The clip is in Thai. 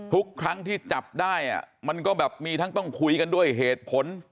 ทุกครั้งที่จับได้มันก็แบบมีทั้งต้องคุยกันด้วยเหตุผล